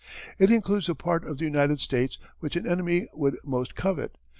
It includes the part of the United States which an enemy would most covet.